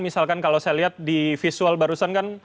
misalkan kalau saya lihat di visual barusan kan